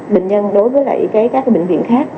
bệnh nhân đối với các bệnh viện khác